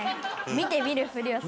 見て見ぬふりをする。